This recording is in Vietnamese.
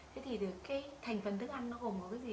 thế thì thành phần thức ăn nó gồm có cái gì